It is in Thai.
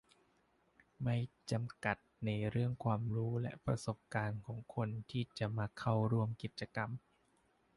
ไม่จำกัดในเรื่องความรู้และประสบการณ์ของคนที่จะมาร่วมกิจกรรม